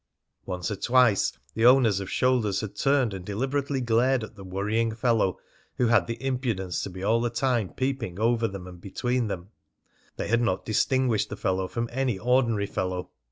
Once or twice the owners of shoulders had turned and deliberately glared at the worrying fellow who had the impudence to be all the time peeping over them and between them; they had not distinguished the fellow from any ordinary fellow.